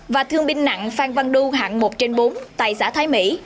và thương binh nặng phan văn đu hạng một trên bốn tại xã thái mỹ